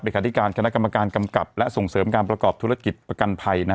คาธิการคณะกรรมการกำกับและส่งเสริมการประกอบธุรกิจประกันภัย